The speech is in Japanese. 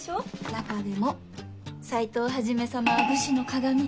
中でも斎藤一様は武士のかがみ。